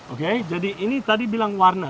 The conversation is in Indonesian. oke jadi ini tadi bilang warna